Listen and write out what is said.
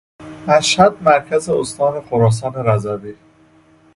مشهد مرکز استان خراسان رضوی